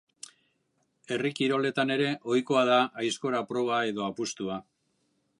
Herri kiroletan ere ohikoa da aizkora proba edo apustua.